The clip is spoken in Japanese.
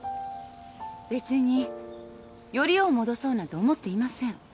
別によりを戻そうなんて思っていません。